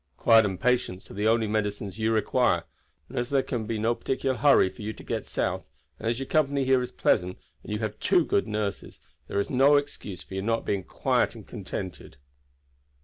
Quiet and patience are the only medicines you require, and as there can be no particular hurry for you to get south, and as your company here is pleasant and you have two good nurses, there is no excuse for your not being quiet and contented."